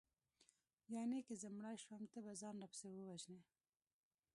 یانې که زه مړه شوم ته به ځان راپسې ووژنې